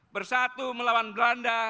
bersatu melawan belanda